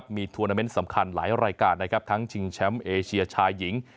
มีทวนาเมนต์สำคัญหลายรายการนะครับทั้งชิงแชมป์เอเชียชายหญิง